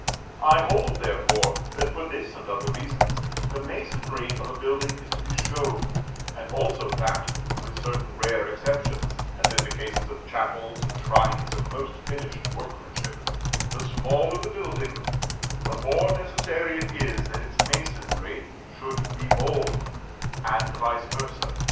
I hold, therefore, that, for this and other reasons, the masonry of a building is to be shown: and also that, with certain rare exceptions (as in the cases of chapels and shrines of most finished workmanship), the smaller the building, the more necessary it is that its masonry should be bold, and vice versâ.